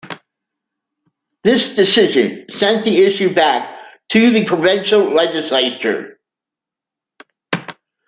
This decision sent the issue back to the provincial legislature.